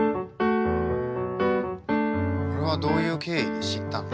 これはどういう経緯で知ったの？